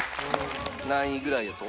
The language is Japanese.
何位ぐらいやと？